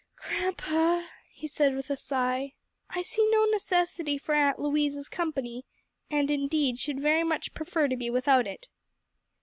"Grandpa," he said with a sigh, "I see no necessity for Aunt Louise's company, and, indeed, should very much prefer to be without it."